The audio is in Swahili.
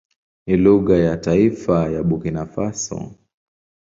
Ni lugha ya taifa ya Burkina Faso.